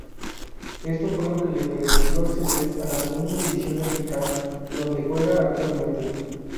Esto fue que le permitió ascender a la Segunda División Mexicana donde juega actualmente.